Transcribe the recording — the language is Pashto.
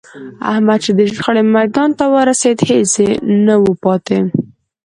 احمد چې د شخړې میدان ته ورسېد، هېڅ نه و پاتې